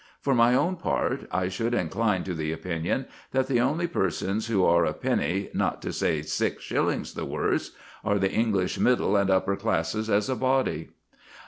For my own part, I should incline to the opinion that the only persons who are a penny, not to say six shillings, the worse, are the English middle and upper classes as a body.